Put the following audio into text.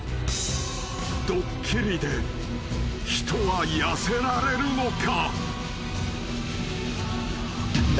［ドッキリで人は痩せられるのか？］